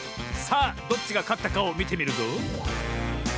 さあどっちがかったかをみてみるぞ。